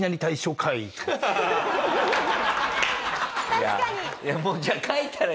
確かに。